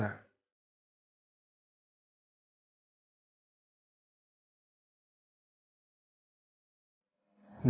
gue gak tau sa